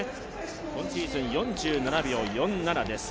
今シーズン４７秒４７です。